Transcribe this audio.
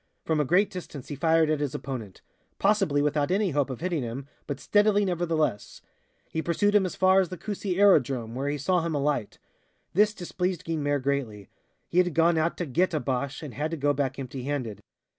From a great distance he fired at his opponent possibly without any hope of hitting him, but steadily nevertheless. He pursued him as far as the Coucy aerodrome, where he saw him alight. This displeased Guynemer greatly. He had gone out to "get" a Boche and had to go back empty handed.